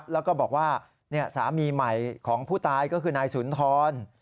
แล้วก็บอกว่าสามีใหม่ของผู้ตายก็คือนายสุนทร